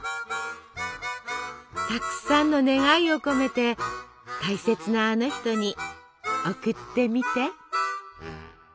たくさんの願いを込めて大切なあの人に贈ってみて！